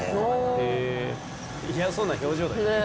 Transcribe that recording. へぇ嫌そうな表情だけど。